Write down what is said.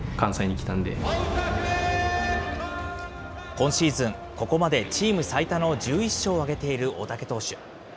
今シーズン、ここまでチーム最多の１１勝を挙げている大竹投手。